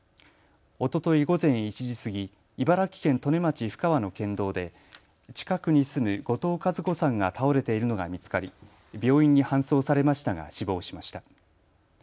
おととい午前１時過ぎ茨城県利根町布川の県道で近くに住む後藤和子さんが倒れているのが見つかり病院に搬送されましたが死亡しました。